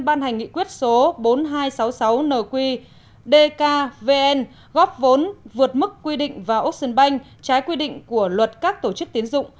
ban hành nghị quyết số bốn nghìn hai trăm sáu mươi sáu nqdkvn góp vốn vượt mức quy định vào ốc sơn banh trái quy định của luật các tổ chức tiến dụng